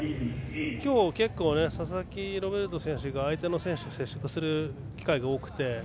今日、結構佐々木ロベルト選手が相手の選手と接触する機会が多くて。